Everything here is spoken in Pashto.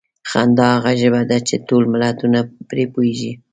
خندا هغه ژبه ده چې ټول ملتونه پرې پوهېږي.